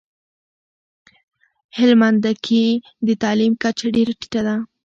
هلمندکي دتعلیم کچه ډیره ټیټه ده